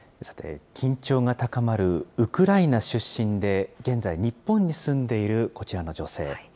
さて、緊張が高まるウクライナ出身で、現在、日本に住んでいるこちらの女性。